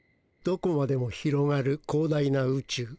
どこまでも広がる広大なうちゅう。